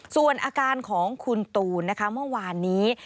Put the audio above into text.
ส่วนอาการของคุณตูนนะคะเมื่อวานนี้